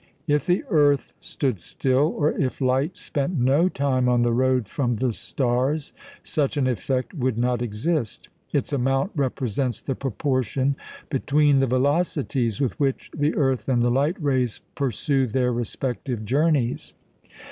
If the earth stood still, or if light spent no time on the road from the stars, such an effect would not exist. Its amount represents the proportion between the velocities with which the earth and the light rays pursue their respective journeys.